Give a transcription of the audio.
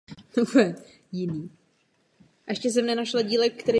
Právě na ni se již obracejí čínští disidenti.